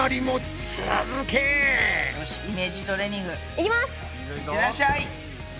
いってらっしゃい！